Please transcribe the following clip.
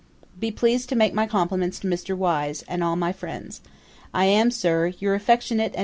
'Be pleased to make my compliments to Mr. Wise, and all my friends. 'I am, Sir, 'Your affectionate, &c.